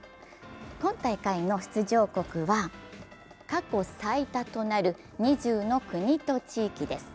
今大会の出場国は過去最多となる２０の国と地域です。